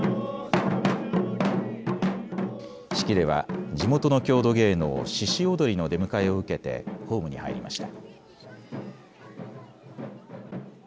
式では地元の郷土芸能、鹿踊りの出迎えを受けてホームに入りました。